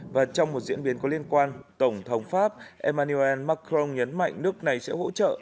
và trong một diễn biến có liên quan tổng thống pháp emmanuel macron nhấn mạnh nước này sẽ hỗ trợ